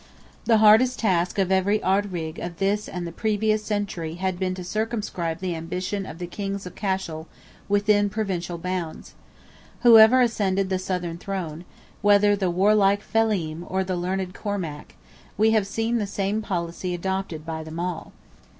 The hardest task of every Ard Righ of this and the previous century had been to circumscribe the ambition of the kings of Cashel within Provincial bounds. Whoever ascended the southern throne—whether the warlike Felim or the learned Cormac—we have seen the same policy adopted by them all.